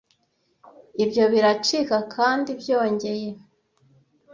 Ibyo biracika kandi byongeye